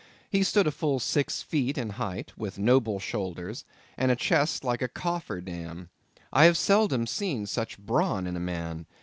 He stood full six feet in height, with noble shoulders, and a chest like a coffer dam. I have seldom seen such brawn in a man.